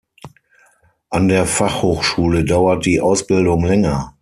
An der Fachhochschule dauert die Ausbildung länger.